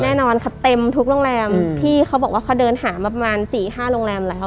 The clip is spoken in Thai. แน่นอนค่ะเต็มทุกโรงแรมพี่เขาบอกว่าเขาเดินหามาประมาณสี่ห้าโรงแรมแล้ว